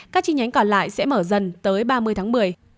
các chi nhánh còn lại sẽ mở dần tới ba mươi tháng một mươi